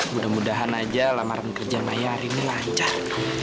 mudah mudahan aja lamaran kerja maya hari ini lancar